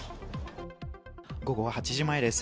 午後８時前です。